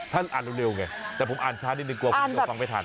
ท่านอ่านเร็วไงแต่ผมอ่านช้ะนิดนึงกลัวผมอยากจะฟังได้ทัน